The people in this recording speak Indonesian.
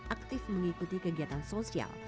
aktif mengikuti kegiatan sosial